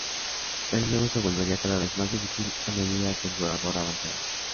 El juego se volvería cada vez más difícil a medida que el jugador avanzara.